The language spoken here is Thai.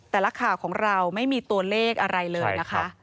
นักข่าวของเราไม่มีตัวเลขอะไรเลยนะคะ